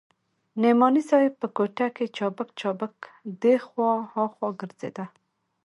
نعماني صاحب په کوټه کښې چابک چابک دې خوا ها خوا ګرځېده.